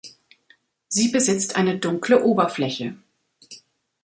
Sie besitzt eine dunkle Oberfläche.